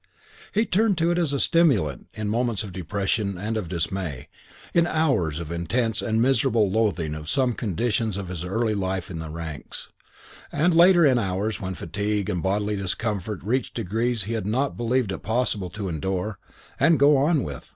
He turned to it as stimulant in moments of depression and of dismay, in hours of intense and miserable loathing of some conditions of his early life in the ranks, and later in hours when fatigue and bodily discomfort reached degrees he had not believed it possible to endure and go on with.